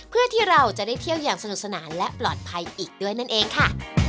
เพื่อที่เราจะได้เที่ยวอย่างสนุกสนานและปลอดภัยอีกด้วยนั่นเองค่ะ